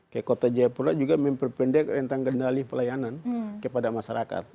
ke kota jayapura juga memperpendek rentang kendali pelayanan kepada masyarakat